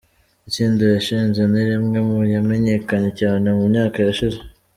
Itsinda yashinze ni rimwe mu yamenyekanye cyane mu myaka yashize.